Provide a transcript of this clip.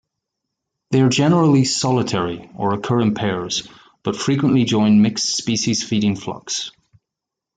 They are generally solitary or occur in pairs, but frequently join mixed-species feeding flocks.